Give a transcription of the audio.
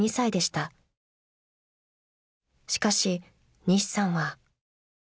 ［しかし西さんは］